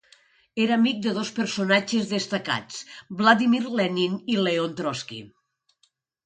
Era amic de dos personatges destacats, Vladimir Lenin i Leon Trotsky.